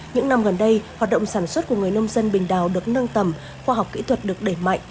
những năm gần đây hoạt động sản xuất của người nông dân bình đào được nâng tầm khoa học kỹ thuật được đẩy mạnh